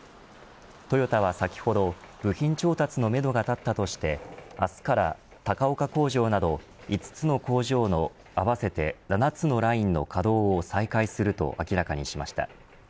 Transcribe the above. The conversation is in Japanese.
トヨタは先ほど部品調達のめどが立ったとして明日から高岡工場など５つの工場の合わせて７つのラインの稼働を再開すると明らかにしました。